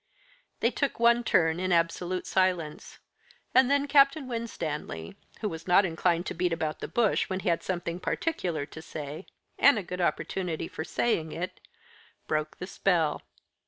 They took one turn in absolute silence, and then Captain Winstanley, who was not inclined to beat about the bush when he had something particular to say, and a good opportunity for saying it, broke the spell.